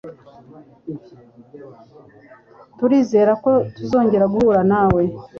Turizera ko tuzongera guhura nawe.